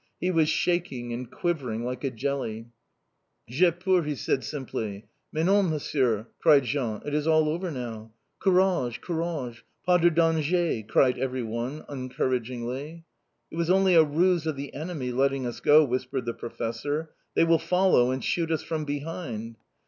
He was shaking and quivering like a jelly. "J'ai peur!" he said simply. "Mais non, Monsieur!" cried Jean. "It's all over now." "Courage! courage! Pas de danger," cried everyone, encouragingly. "It was only a ruse of the enemy, letting us go," whispered the Professor. "They will follow and shoot us from behind!"